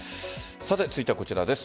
続いてはこちらです。